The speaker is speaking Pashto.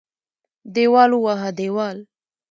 دېوال ووهه دېوال.